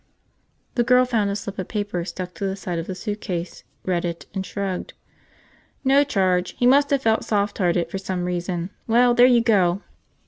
The girl found a slip of paper stuck to the side of the suitcase, read it, and shrugged. "No charge. He must of felt softhearted, for some reason. Well, there you go."